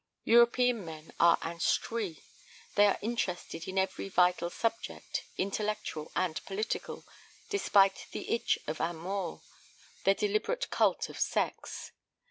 European men are instruits. They are interested in every vital subject, intellectual and political, despite the itch of amor, their deliberate cult of sex.